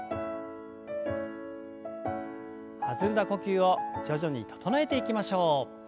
弾んだ呼吸を徐々に整えていきましょう。